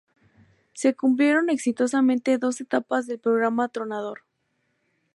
Se cumplieron exitosamente dos etapas del programa Tronador.